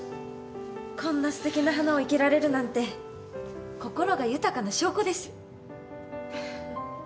こんなすてきな花を生けられるなんて心が豊かな証拠です。